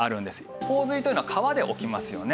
洪水というのは川で起きますよね。